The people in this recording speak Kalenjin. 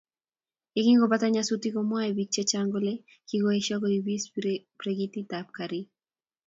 Yengopata nyasutik komwoe bik chechang kole kikoesio kobois brekitab garit